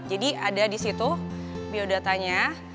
jadi ada di situ biodatanya